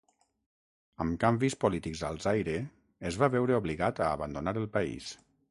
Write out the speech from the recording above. Amb canvis polítics al Zaire, es va veure obligat a abandonar el país.